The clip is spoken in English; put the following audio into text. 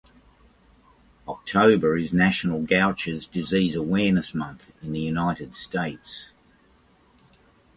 October is National Gaucher's Disease Awareness Month in the United States.